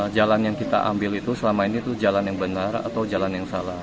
jalan yang kita ambil itu selama ini itu jalan yang benar atau jalan yang salah